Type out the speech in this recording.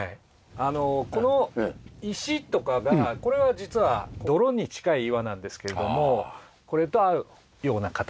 この石とかがこれは実は泥に近い岩なんですけれどもこれと合うような形で。